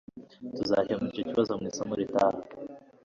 tuzakemura icyo kibazo mu isomo ritaha